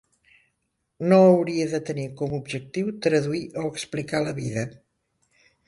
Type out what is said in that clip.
No hauria de tenir com a objectiu traduir o explicar la vida.